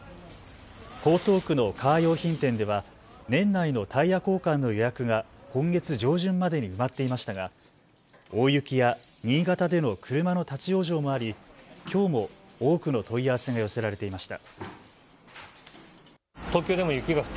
江東区のカー用品店では年内のタイヤ交換の予約が今月上旬までに埋まっていましたが大雪や新潟での車の立往生もありきょうも多くの問い合わせが寄せられていました。